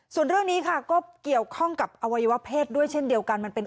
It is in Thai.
ส่วนเรื่องนี้ค่ะก็เกี่ยวข้องกับอวัยวะเพศด้วยเช่นเดียวกัน